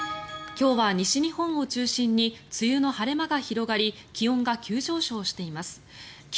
今日は西日本を中心に梅雨の晴れ間が広がり気温が急上昇しています。